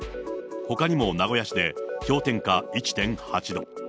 ほかにも名古屋市で氷点下１．８度。